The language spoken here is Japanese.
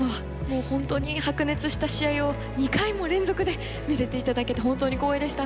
ほんとに白熱した試合を２回も連続で見せて頂けて本当に光栄でした。